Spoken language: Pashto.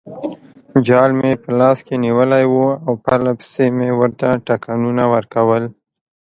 جال مې په لاس کې نیولی وو او پرلپسې مې ورته ټکانونه ورکول.